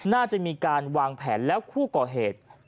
น่าจะมีการวางแผนแล้วผู้ก่อเหตุ